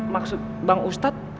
maksud bang ustad